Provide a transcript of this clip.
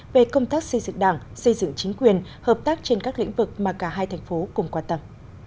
về công tác xây dựng đảng xây dựng chính quyền hợp tác trên các lĩnh vực mà cả hai thành phố cùng quan tâm